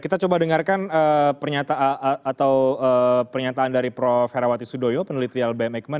kita coba dengarkan pernyataan dari prof herawati sudoyo penelit rial b eijkman